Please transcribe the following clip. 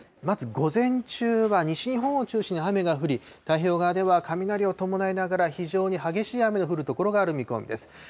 まず午前中は西日本を中心に雨が降り、太平洋側では雷を伴いながら、非常に激しい雨の降る所がある見込みです。